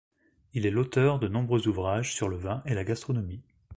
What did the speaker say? Il est l'auteur de nombreux ouvrages sur le vin et la gastronomie.